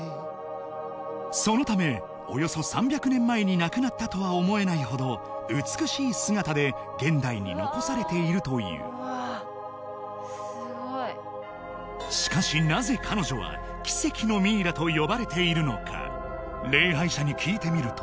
そのためおよそ３００年前に亡くなったとは思えないほど美しい姿で現代に残されているというしかしなぜ彼女は奇跡のミイラと呼ばれているのか礼拝者に聞いてみると